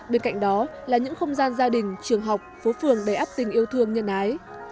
bên cạnh đó là những không gian gia đình trường học phố phường đầy áp tình yêu thương nhân ái